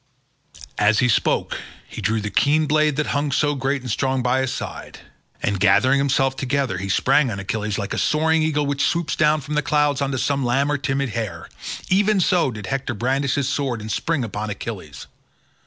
As he spoke he drew the keen blade that hung so great and strong by his side, and gathering himself together be sprang on Achilles like a soaring eagle which swoops down from the clouds on to some lamb or timid hare—even so did Hector brandish his sword and spring upon Achilles.